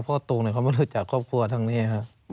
พ่อตรงเขาไม่รู้จักครอบครัวทั้งนี้ค่ะ